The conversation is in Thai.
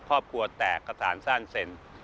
ครอบครัวแตกขสานสั้นเซ็น